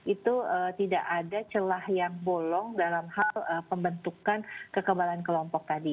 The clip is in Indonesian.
itu tidak ada celah yang bolong dalam hal pembentukan kekebalan kelompok tadi